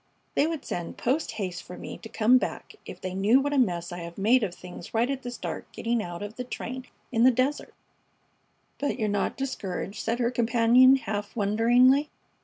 They would send post haste for me to come back if they knew what a mess I have made of things right at the start getting out of the train in the desert." "But you're not discouraged?" said her companion, half wonderingly.